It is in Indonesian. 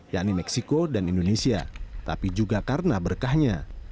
yakni meksiko dan indonesia tapi juga karena berkahnya